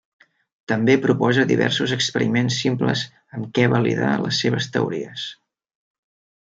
També proposa diversos experiments simples amb què validar les seves teories.